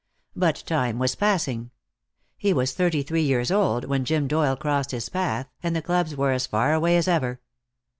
But time was passing. He was thirty three years old when Jim Doyle crossed his path, and the clubs were as far away as ever.